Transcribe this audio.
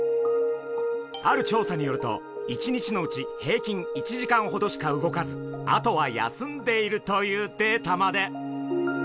ある調査によると一日のうち平均１時間ほどしか動かずあとは休んでいるというデータまで！